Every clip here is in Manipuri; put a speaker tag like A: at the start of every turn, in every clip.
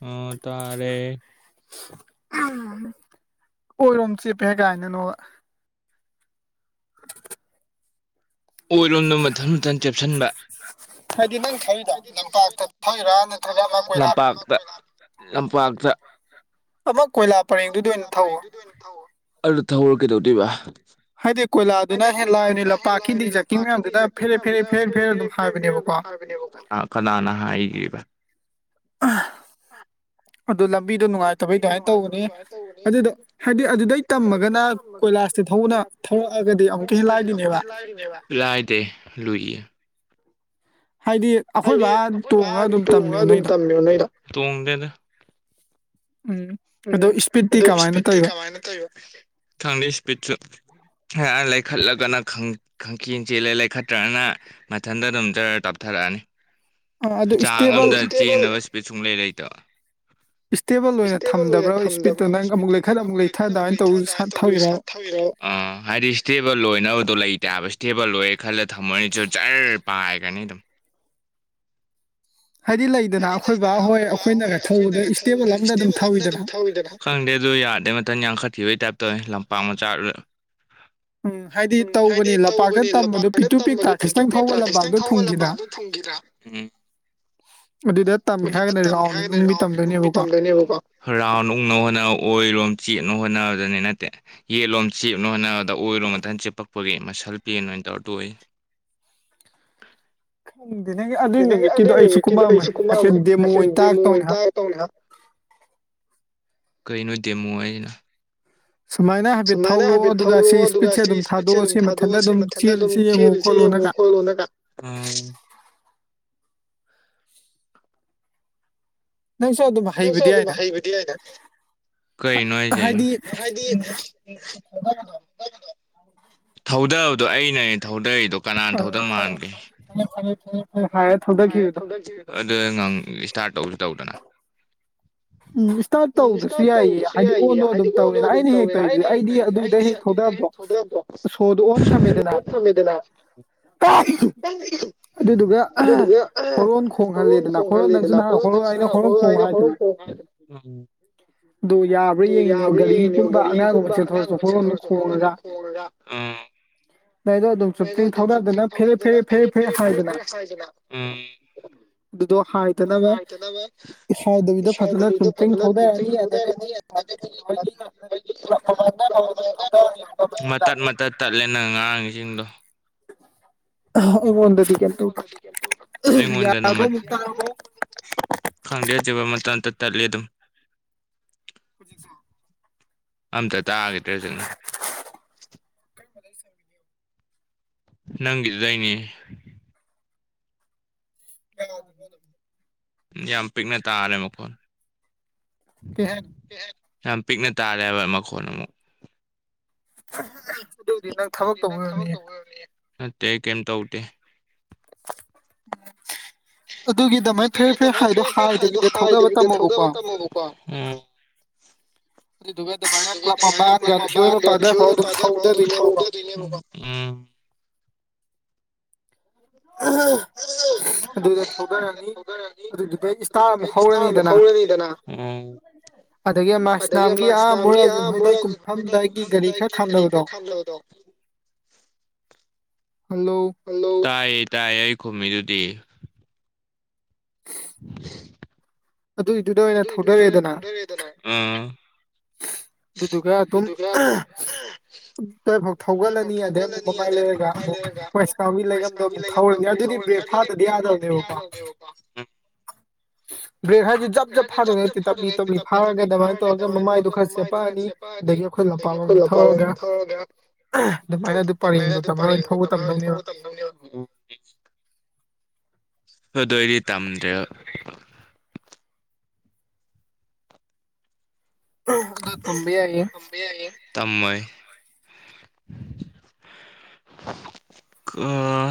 A: ꯑꯣ ꯇꯔꯦ
B: ꯑꯣꯏꯔꯣꯝ ꯆꯦꯄ ꯀꯥꯏꯅꯅꯣ [inaudible]
A: ꯑꯣꯏꯔꯣꯝꯅ ꯃꯊꯟ ꯃꯊꯟ ꯆꯦꯞꯁꯤꯟꯕ ꯂꯝꯄꯥꯛꯇ ꯂꯝꯄꯥꯛꯇ [unintelligible]
B: ꯑꯃ ꯀꯣꯏꯂꯥ ꯄꯔꯦꯡꯗꯨꯗ ꯑꯣꯏꯅ ꯊꯧꯋꯣ
A: ꯑꯗꯨꯗ ꯊꯧꯔꯀꯩꯗꯧꯗꯣꯏꯕ
B: ꯍꯥꯏꯗꯤ ꯀꯣꯏꯂꯥꯗꯨꯅ ꯍꯦ ꯂꯥꯛꯕꯅꯦ ꯂꯝꯄꯥꯛꯀꯤꯗꯤ ꯆꯖꯥꯛꯀꯤꯡ ꯃꯌꯥꯝꯗꯨꯅ ꯐꯦꯔꯦ ꯐꯦꯔꯦ ꯐꯦꯔ ꯐꯦꯔ ꯑꯗꯨꯝ ꯍꯥꯏꯕꯅꯦꯕꯀꯣ
A: ꯑ ꯀꯅꯥꯅ ꯍꯥꯏꯔꯤꯕ
B: ꯑꯗꯨꯗꯣ ꯂꯝꯕꯤꯗꯣ ꯅꯨꯡꯉꯥꯏꯇꯕꯩ ꯑꯗꯨꯃꯥꯏꯅ ꯇꯧꯕꯅꯤ ꯑꯗꯨꯗꯣ ꯍꯥꯏꯗꯤ ꯑꯗꯨꯗꯩ ꯇꯝꯃꯒꯅ ꯀꯣꯏꯂꯥꯁꯥꯁꯇ
A: ꯂꯥꯏꯗꯦ ꯂꯨꯏꯌꯦ ꯍꯥꯏꯗꯤ ꯑꯩꯈꯣꯏ ꯥ ꯇꯣꯡꯉꯒ ꯑꯗꯨꯝ ꯇꯝꯃꯦ ꯅꯣꯏꯩꯅ ꯎꯝ ꯑꯗꯨ ꯏꯁꯄꯤꯠꯇꯤ ꯀꯃꯥꯏꯅ ꯇꯧ ꯈꯪꯗꯦ ꯏꯁꯄꯤꯠꯁꯨ ꯂꯩꯈꯠꯂꯒꯅ ꯈꯪꯆ ꯆꯦꯜꯂꯦ ꯂꯩꯈꯠꯇ꯭ꯔꯒꯅ ꯃꯊꯟꯇ ꯑꯗꯨꯝ ꯇꯥꯞꯊꯔꯛꯑꯅꯤ ꯆꯥꯡ ꯑꯃꯝꯗ ꯆꯦꯟꯕ ꯏꯁꯄꯤꯠ ꯁꯨꯡꯂꯩ ꯂꯩꯇꯕ
B: ꯏꯁꯤꯁꯇꯦꯕ ꯂꯣꯏ ꯅꯠꯇꯦ
A: ꯑꯣꯏꯅ ꯊꯝꯗꯕ꯭ꯔꯣ ꯏꯁꯄꯤ ꯅꯪꯨꯥꯏ ꯑꯃꯨꯛ ꯂꯩꯊ ꯑꯗꯨꯃ ꯇꯧꯕ ꯁꯥꯠꯤꯔꯣ ꯏꯁꯇꯦꯕꯜ ꯑꯣꯏꯅꯕꯗꯣ ꯂꯩꯇꯦꯕ ꯏꯁꯇꯦꯕꯜ ꯑꯣꯏꯔꯦ ꯈꯜꯂ ꯊꯝꯃꯅꯤꯁꯨ ꯖꯔ ꯄꯥꯏꯒꯅꯤ ꯑꯗꯨꯝ ꯍꯥꯏꯗꯤ ꯂꯩꯗꯅ ꯑꯩꯈꯣꯏ ꯕꯥ ꯍꯣꯏ ꯑꯩꯈꯣꯏꯅꯒ ꯏꯁꯇꯦꯕꯜ ꯑꯗ ꯑꯗꯨꯝ ꯊꯧꯋꯤꯗꯅ ꯌꯥꯗꯩ ꯃꯊꯟ ꯌꯥꯡꯈꯠꯤꯈꯤꯕꯒꯤ ꯇꯥꯏꯞꯇꯧ ꯂꯝꯄꯥꯛ ꯃꯆꯥ ꯎꯝ ꯍꯥꯏꯗꯤ ꯇꯧꯕꯅꯦ ꯂꯄꯥꯗ ꯇꯝꯕꯗꯨ ꯄꯤꯠꯇꯨ ꯄꯤꯠꯇ꯭ꯔꯥ ꯈꯤꯖꯤꯇꯪ ꯊꯧꯒꯜꯂꯝꯕꯗ ꯊꯨꯡꯒꯤꯔꯥ ꯎꯝ
B: ꯑꯗꯨꯗ
A: ꯔꯥꯎ ꯍꯟꯅ ꯑꯣꯏꯔꯣ ꯆꯦꯠꯅꯣ ꯍꯣꯠꯅꯕꯗꯅꯤ ꯅꯠꯇꯦ ꯌꯦꯟꯂꯣꯝ ꯆꯦꯞꯅꯣ ꯍꯣꯠꯅꯕꯗ ꯑꯣꯏꯔꯣꯝ ꯉꯇꯪ ꯆꯦꯞꯄꯛꯄꯒꯤ ꯃꯁꯜ ꯄꯦ ꯑꯣꯏꯅ ꯇꯧꯔ ꯇꯣꯏ [inaudible] ꯑꯗꯨ ꯑꯗꯨꯒꯤ ꯅꯨꯃꯤꯠꯀꯤꯗꯣ ꯑꯩꯁꯨ ꯀꯨꯃ ꯗꯦꯃꯨ ꯑꯣꯏꯅ ꯇꯥꯔ ꯇꯧꯅꯦꯍ ꯀꯩꯅ ꯦꯝꯨ ꯍꯥꯏꯅ ꯁꯨꯃꯥꯏꯅ ꯍꯥꯏꯐꯦꯠ ꯊꯧꯔꯣꯑꯣ ꯑꯗꯨꯒ ꯁꯤ ꯏꯁꯄꯤꯠꯁꯦ ꯑꯗꯨꯝ ꯊꯥꯗꯣꯛꯑꯣ ꯁꯤ ꯃꯊꯟꯇ ꯑꯗꯨꯝ ꯆꯦꯜꯂꯤꯁꯦ ꯌꯦꯡꯉꯨ ꯈꯣꯅ ꯀ ꯅ ꯆꯣ ꯑꯗꯨ ꯍꯩꯕꯗꯤ ꯍꯥꯏꯅ ꯀꯩ ꯅꯅꯥꯣꯏꯖ ꯊꯧꯗꯕꯗꯣ ꯑꯩꯅ ꯊꯧꯗꯏꯗꯣ ꯀꯅꯥꯅ ꯊꯧꯗ ꯃꯥꯟꯒꯦ ꯑꯗꯨ ꯏꯁꯇꯥꯔꯠ ꯇꯧꯁꯨ ꯇꯧꯗꯅ [inaudible] ꯎꯝ ꯏꯁꯇꯥꯔꯠ ꯇꯧꯕꯁꯨ ꯌꯥꯏꯌꯦ ꯍꯥꯏꯗꯤ ꯑꯣꯂꯣ ꯑꯗꯨꯝ ꯇꯧꯋꯦꯅ ꯑꯩꯅ ꯍꯧ ꯑꯩꯗꯤ ꯑꯗꯨ ꯁꯗꯣ ꯁꯗꯅ ꯗꯨꯒ ꯍꯔꯅ ꯈꯣꯡ ꯈꯔ ꯊ ꯍꯔ ꯊꯦ ꯍꯔ ꯈꯣꯡ ꯎꯝ
B: ꯑꯗꯨꯗꯣ ꯌꯥꯕ꯭ꯔꯥ ꯌꯦꯡꯉꯤꯅꯦꯕ ꯒꯥꯔꯤꯒꯨꯝꯕ ꯑꯉꯥꯡꯒꯨꯝꯕ ꯆꯦꯟꯊꯣꯔꯁꯨ ꯍꯠꯣꯗ ꯈꯣꯡꯂꯒꯥ ꯅꯣꯏꯗꯣ ꯑꯗꯨꯝ ꯆꯨꯞ ꯆꯔꯤ ꯊꯧꯗꯥꯗꯅ ꯐꯦꯔꯦ ꯐꯦꯔꯦ ꯐꯦꯔꯦ ꯐꯦꯔꯦ ꯍꯥꯏꯗꯅ ꯑꯗꯨꯗꯣ ꯍꯥꯏꯗꯅꯕ ꯏꯁꯥꯏꯗꯕꯤꯗꯣ ꯐꯖꯅ ꯆꯨꯝꯇꯤꯡ ꯊꯧꯊꯔꯛꯑꯅꯤ ꯑꯗꯒꯤ ꯃꯣꯏꯒꯤ ꯑ ꯀꯗ
A: ꯃꯇꯠ ꯃꯇꯠ ꯇꯠꯂꯦ ꯅꯪ ꯉꯥꯡꯉꯤꯁꯤꯡꯗꯣ
B: ꯕꯨꯗꯗꯤ ꯇ ꯌꯥꯕꯣꯕ
A: ꯈꯪꯗꯦꯖꯕ ꯃꯇꯝꯇ ꯇꯠꯂꯦ ꯑꯗꯨꯝ
B: ꯍꯧꯖꯤꯛꯁ
A: ꯑꯝꯇ ꯇꯥꯒꯦꯗ꯭ꯔꯦ ꯍꯧꯖꯤꯛꯅ
B: ꯃꯗꯜ ꯆꯔꯣ
A: ꯅꯪꯒꯤꯗꯗꯏꯅꯤ
B: ꯌꯥꯗ
A: ꯌꯥꯝ ꯄꯤꯛꯅ ꯇꯥꯔꯦ ꯃꯈꯣꯟ ꯌꯥꯝ ꯄꯤꯛꯅ ꯇꯥꯔꯦ ꯍꯥꯏꯕ ꯃꯈꯣꯟ ꯑꯃꯨꯛ
B: [inaudible]
A: ꯅꯠꯇ ꯀꯝ ꯇꯧ ꯇ ꯑꯗꯨꯒꯤꯗꯃꯥꯏ ꯐꯦꯔꯦ ꯐꯦꯔ ꯍꯥꯏꯗꯣ ꯍꯥꯏꯗꯨꯒꯤꯗ ꯊꯧꯗꯕ ꯇꯝꯃꯣꯕꯀꯣ [inaudible] ꯕꯥ ꯄ ꯊꯥꯎ ꯎꯗ ꯏꯅꯦ ꯃꯣ [inaudible]
B: ꯑꯗꯨꯗ ꯊꯧꯗꯔꯅꯤ
A: ꯅꯤ ꯑꯗꯨꯗꯨ ꯀꯩ ꯑꯃꯨꯛ ꯍꯧꯔꯅꯤꯗꯅ ꯎ ꯑꯗꯒꯤ ꯃꯥꯔꯁ ꯅꯥꯝꯒꯤ ꯑꯍꯥ ꯃ ꯀꯐꯝ ꯀꯔꯤ ꯈꯔ ꯊꯥꯡꯕꯗꯣ [inaudible] ꯇꯥꯏꯌꯦ ꯇꯥꯏꯌꯦ ꯑꯩ ꯈꯨꯝꯃꯤꯗꯨꯗꯤ ꯊ [inaudible]
B: ꯑꯗꯨꯗꯨ ꯀ ꯇ ꯇꯏꯐꯥꯎ ꯊꯧꯒꯠꯂꯅꯤ ꯑꯗꯩ ꯑꯃꯨꯛ ꯃꯃꯥꯏ ꯂꯩꯔꯒ ꯑꯃ ꯋꯥꯣꯏꯁꯀꯥꯎꯒꯤ ꯂꯩꯒꯝꯗꯣ ꯑꯃꯨꯛ ꯊꯧꯔꯅꯤ
A: ꯊ ꯐꯥꯗꯗꯧꯗꯦꯕ ꯀ
B: ꯕꯦꯒ ꯍꯥꯏꯁꯤ ꯖꯞꯖ ꯐꯥꯗꯣꯏ ꯅꯠꯇꯦ ꯇꯞꯂꯤ ꯇꯞꯂꯤ ꯐꯥꯔꯒ ꯑꯗꯨꯃꯥꯏꯅ ꯇꯧꯔꯒ ꯃꯃꯥꯏ
A: ꯑꯗꯨꯒ ꯃꯃꯥꯏꯗꯨꯣ ꯈꯔ ꯆꯦꯞꯄꯛꯑꯅꯤ ꯑꯗꯒꯤ ꯑꯩꯈꯣꯏ ꯂꯄꯥꯥꯟꯂꯣꯝꯗ ꯊꯧꯔꯒ ꯚ ꯑꯗꯨ ꯄꯔꯦꯡꯗꯨꯣ ꯇꯚꯥꯏ ꯍ ꯊꯧꯕ ꯇꯝꯗꯧꯅꯦ ꯑꯗꯨ ꯑꯩꯗꯤ ꯇꯝꯗ꯭ꯔꯦ ꯇꯃꯣꯏ ꯑꯥ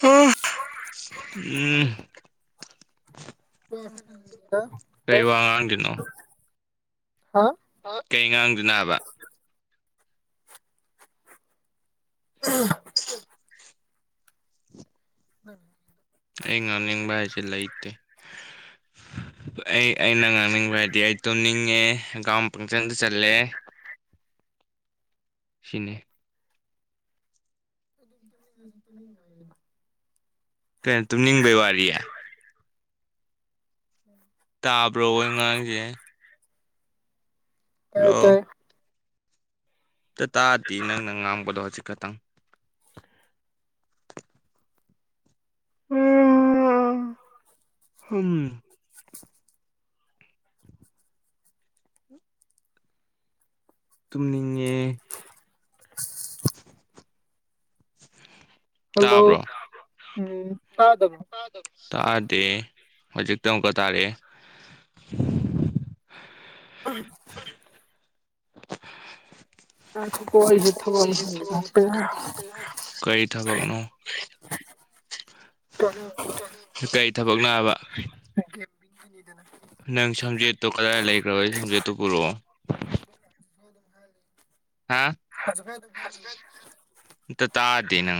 A: ꯍ ꯎꯝ ꯀꯩ ꯋꯥ ꯉꯥꯡꯗꯅꯣ
B: ꯍꯥ
A: ꯀꯩ ꯉꯥꯡꯗꯨ ꯅꯥꯕ
B: ꯑ ꯎꯝ
A: ꯑꯩ ꯅꯅꯤ ꯏ ꯆꯂꯥꯏꯦ ꯑꯩ ꯑꯩꯅ ꯉꯥꯡꯅꯤꯡꯕ ꯍꯥꯏꯗꯤ ꯑꯩ ꯇꯨꯝꯅꯤꯡꯉꯦ ꯍꯪꯒꯥꯝ ꯐꯪꯆꯟꯗ ꯆꯠꯂꯦ ꯁꯤꯅꯦ ꯀꯩꯅ ꯇꯨ ꯅꯤꯡꯕꯩ ꯋꯥꯔꯤꯔꯤ ꯍꯥꯏ
B: ꯎꯝ
A: ꯇꯥꯕ꯭ꯔꯣ ꯑꯩ ꯉꯥꯡꯁꯦ
B: ꯇꯥꯏ ꯇꯥꯏ
A: ꯇꯥꯔꯗꯤ ꯅꯪꯅ ꯉꯥꯡꯕꯗꯣ ꯍꯧꯖꯤꯛ ꯈꯇꯪ ꯎ ꯎꯝ ꯇꯨꯝꯅꯤꯡꯉꯦ
B: ꯍꯜꯂꯣ ꯎꯝꯗꯃ
A: ꯇꯥꯗꯦ ꯍꯧꯖꯤꯛ ꯇ ꯑꯃꯨꯛꯀ ꯇꯥꯔꯑꯦ
B: ꯎ
A: ꯀꯔꯤ ꯊꯕꯥꯛ ꯅ ꯀꯔꯤ ꯊꯕꯛ ꯅꯥꯕ
B: [unintelligible]
A: ꯅꯪ ꯁꯝꯖꯦꯠꯇꯣ ꯀꯗꯥꯏ ꯂꯩꯈ꯭ꯔꯕ ꯁꯝꯖꯦꯠꯇꯨ ꯄꯨꯔꯛꯑꯣ ꯍꯥꯥ ꯗꯇꯥꯗꯤꯅ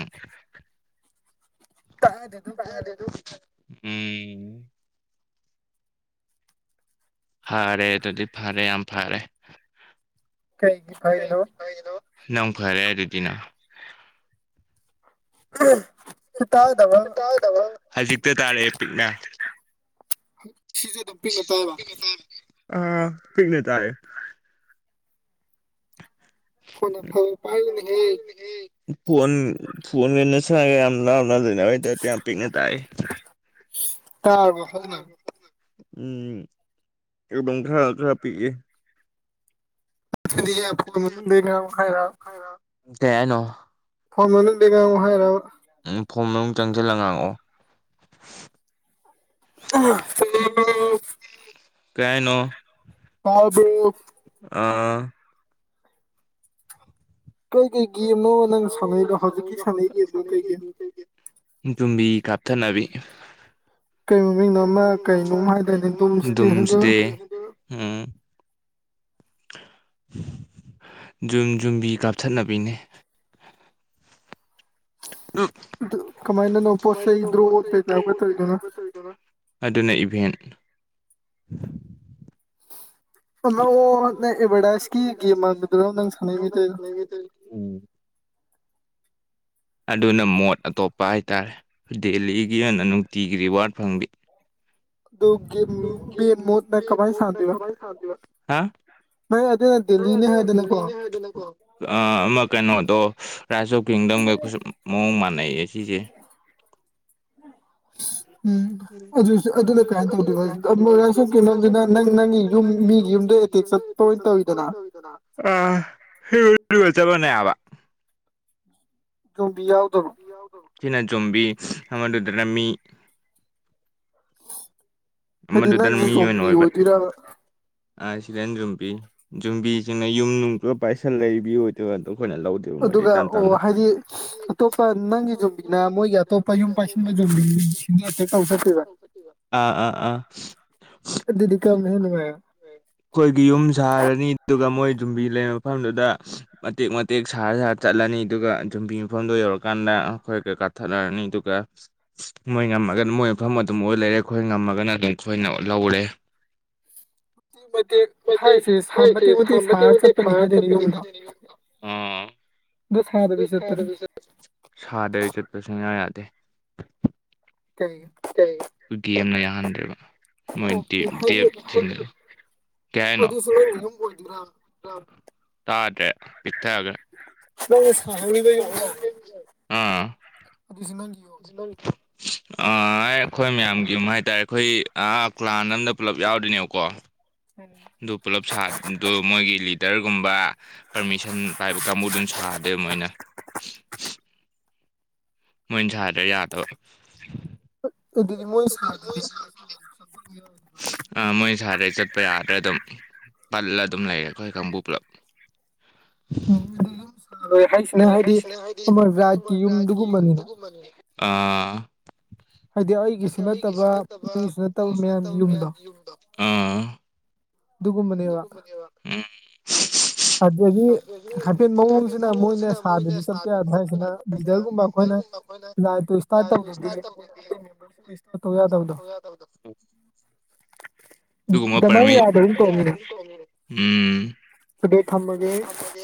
B: ꯀꯥꯏ ꯑꯗꯨ ꯑꯗꯨꯕꯨ ꯐꯌꯥꯒ
A: ꯎꯝ ꯐꯔꯦ ꯑꯗꯨꯗꯤ ꯐꯔꯦ ꯌꯥꯝ ꯐꯔꯦ ꯅꯪ ꯐꯔꯦ ꯑꯗꯨꯗꯤꯅꯥ
B: ꯑ
A: ꯍꯧꯖꯤꯛꯛꯇ ꯇꯥꯔꯦ ꯄꯤꯅꯥ
B: ꯁꯦ ꯗꯝꯕꯤ ꯉꯇꯥꯑ
A: ꯑ ꯄꯤꯛꯅꯦ ꯆꯥꯏ ꯐꯣꯟ ꯐꯣꯟ ꯃꯁꯦꯅ ꯅ ꯍꯗ ꯇ ꯄꯤꯛꯅ ꯇꯥꯛꯑ
B: ꯎꯝ
A: ꯎꯝ ꯑꯦꯝ ꯈꯔ ꯈꯔ ꯄꯤꯒꯦ
B: ꯅ꯭ꯔ ꯈꯥꯏꯔ
A: ꯇꯅꯣ
B: ꯐꯣꯟ ꯃꯅꯨꯡ ꯗꯦꯒꯉ ꯍꯥꯏꯔꯥꯎ
A: ꯐꯣꯝ ꯃꯅꯨꯡ ꯆꯪꯁꯤꯜꯂꯒ ꯉꯥꯡꯑꯣ
B: ꯐ
A: ꯀꯥꯏꯅꯣ
B: ꯇꯥꯎꯕꯨ
A: ꯑꯥ
B: ꯀꯩꯀꯩꯒꯤꯦꯝꯅꯣ ꯅꯪ ꯁꯥꯟꯅꯩꯗꯣ ꯍꯧꯖꯤꯛꯀꯤ ꯁꯥꯟꯅꯩꯒꯤꯦꯝꯗꯣ ꯀꯩꯒꯤꯅꯣ
A: ꯇꯨꯝꯕꯤ ꯀꯥꯞꯊꯅꯕꯤ ꯁꯗꯦ ꯎꯝ ꯖꯨꯝ ꯖꯨꯝꯕꯤ ꯀꯥꯞꯊꯠꯅꯕꯤꯅꯦ
B: ꯑꯗꯨ ꯀꯃꯥꯏꯅꯅꯣ ꯄꯣꯠ ꯆꯩ ꯗ꯭ꯔꯣꯄꯩꯗꯒ ꯇꯧꯗꯨꯅꯣ
A: ꯑꯗꯨꯅ ꯏꯚꯦꯟ [unintelligible] [inaudible] ꯑꯗꯨꯅ ꯃꯣꯠ ꯑꯇꯣꯞꯄ ꯍꯥꯏꯇꯥꯔꯦ ꯗꯦꯜꯂꯤꯒꯤ ꯑꯣꯏꯅ ꯑꯣꯏꯅ ꯅꯨꯡꯇꯤꯒꯤ ꯔꯤꯋꯥꯔꯠ ꯐꯪꯕꯤ ꯈꯔꯇꯤ ꯋꯥ ꯑ ꯃꯀꯩꯅ ꯇꯣ ꯔꯥꯏꯁ ꯑꯣꯐ ꯀꯤꯡꯗꯝꯒ ꯃꯑꯣꯡ ꯃꯥꯟꯅꯩ ꯁꯤꯁꯦ [inaudible]
B: ꯎꯝ ꯑꯗꯨꯁꯨ ꯑꯗꯨꯅ ꯀꯃꯥꯏꯅ ꯇꯧꯗꯣꯏꯅꯣ ꯁꯨꯝ ꯀꯩꯅꯣꯅꯤꯅ ꯅꯪ ꯅꯪꯒꯤ ꯌꯨꯝ ꯃꯤꯒꯤ ꯌꯨꯝꯗ
A: ꯑꯒ ꯆꯕꯅꯦꯕ
B: ꯀꯕꯤ ꯌꯥ
A: ꯆꯅ ꯆꯝꯕꯤ ꯑꯃꯗꯨꯗꯔꯃꯤ ꯃꯤ ꯃꯗꯨꯗꯃꯤ ꯑꯣꯏꯅ ꯑꯣꯏꯕ ꯑꯥ ꯁꯤꯗꯦꯟ ꯌꯨꯝꯕꯤ ꯌꯨꯝꯕꯤꯁꯤꯅ ꯌꯨꯝ ꯅꯨꯡ ꯄꯨꯔ ꯄꯥꯏꯁꯜ ꯂꯩꯕꯤ ꯑꯣꯏꯗꯣꯏꯕ ꯑꯗꯣ ꯑꯩꯈꯣꯏꯅ ꯂꯧꯗꯦꯕ ꯃꯣꯏꯗꯤ ꯇꯞ ꯇꯥꯞꯅ [unintelligible] ꯑꯥ ꯑꯥ ꯑꯥ
B: ꯍꯅꯨꯡꯉꯥꯏ
A: ꯑꯩꯈꯣꯏꯒꯤ ꯌꯨꯝ ꯁꯥꯔꯅꯤ ꯑꯗꯨꯒ ꯃꯣꯏ ꯌꯨꯝꯕꯤ ꯂꯩꯕ ꯃꯐꯝꯗꯨꯗ ꯃꯇꯦꯛ ꯃꯇꯦꯛ ꯁꯥꯍꯔ ꯁꯥꯍꯔ ꯆꯠꯂꯅꯤ ꯑꯗꯨꯒ ꯌꯨꯝꯕꯤ ꯃꯐꯝꯗꯣ ꯌꯧꯔꯀꯥꯟꯗ ꯣꯏ ꯀꯥꯊꯠꯅꯔꯅꯤ ꯑꯗꯨꯒ ꯃꯣꯏ ꯉꯃꯒ ꯃꯣꯏ ꯃꯐꯝ ꯑꯗꯨꯝ ꯑꯣꯏ ꯂꯩꯔꯦ ꯑꯩꯈꯣꯏ ꯉꯝꯃꯒꯅ ꯑꯗꯨꯝ ꯑꯩꯈꯣꯏꯅ ꯂꯧꯔꯦ ꯍꯥꯏ ꯁꯃꯗꯤ ꯊ ꯆꯅꯤꯥ ꯁꯥꯗꯕꯤ ꯆꯠꯄ ꯁꯨꯡꯌꯥ ꯌꯥꯗꯦ ꯦꯝꯅ ꯌꯥꯍꯟꯗ꯭ꯔꯦꯕ ꯃꯣꯏ ꯇ
B: ꯏ ꯀ ꯑꯗꯨꯁꯨ
A: ꯇꯔꯇꯦ ꯏꯊꯦ ꯍꯥꯏꯒꯦ
B: ꯅ ꯁꯅꯤ
A: ꯑꯥ ꯑꯩꯈꯣꯏ ꯃꯌꯥꯝꯒꯤꯨꯝ ꯍꯥꯏꯇꯥꯔꯦ ꯑꯩꯈꯣꯏ ꯀ꯭ꯂꯥꯟ ꯑꯝꯗ ꯄꯨꯂꯞ ꯌꯥꯎꯗꯣꯏꯅꯦꯕꯀꯣ ꯑꯗꯨ ꯄꯨꯂꯞ ꯁꯥꯗꯨ ꯃꯣꯏꯒꯤ ꯂꯤꯇꯔꯒꯨꯝꯕ ꯄꯔꯃꯤꯁꯟ ꯄꯥꯏꯕ ꯀꯥꯡꯕꯨ ꯑꯗꯨꯝ ꯁꯥꯗꯦ ꯃꯣꯏꯅ ꯃꯣꯏꯟ ꯁꯥꯗ꯭ꯔ ꯌꯥꯗꯕ
B: ꯑꯦꯗꯤ ꯃꯣꯏ ꯁꯅꯥꯤꯗꯤ
A: ꯑ ꯃꯣꯏ ꯁꯥꯗꯩ ꯆꯠꯄ ꯌꯥꯗ꯭ꯔꯥ ꯑꯗꯨꯝ ꯄꯜꯂ ꯑꯗꯨꯝ ꯂꯩꯌꯦꯕ ꯑꯩ ꯀꯣꯏ ꯀꯝꯕꯕꯨ ꯄ꯭ꯂꯞ
B: ꯎꯝ
A: ꯍꯁꯅꯦ ꯍꯥꯏꯗꯤ ꯌꯨꯝꯗꯨꯨꯝꯕꯅꯦ
B: ꯍꯥꯏꯗꯤ ꯑꯩꯒꯤꯁꯨ ꯅꯠꯇꯕ ꯅꯪꯒꯤꯁꯨ ꯅꯠꯇꯕ ꯃꯌꯥꯝꯒꯤ ꯌꯨꯝꯗꯣ
A: ꯗꯨ ꯀꯨꯝꯕꯅꯤ
B: ꯑꯗꯒꯤ ꯍꯥꯏꯐꯦꯠ ꯃꯑꯣꯡꯁꯤꯅ ꯃꯣꯏꯅ ꯊꯥꯗꯗꯤ ꯆꯠꯄ ꯌꯥꯗ ꯍꯥꯏꯁꯤꯅ ꯂꯤꯗꯔꯒꯨꯝꯕ ꯑꯩꯈꯣꯏꯅ ꯂꯥꯏꯠꯇꯨ ꯏꯁꯇꯥꯔꯠ ꯇꯧꯗ ꯌꯥꯗꯕꯗꯣ
A: ꯃ ꯄꯔꯃꯤ ꯎꯝ ꯀ ꯊꯝꯕꯗ